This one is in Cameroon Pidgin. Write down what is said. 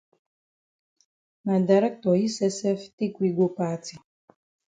Na dirctor yi sef sef take we go party.